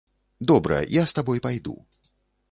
Добра, я з табой пайду.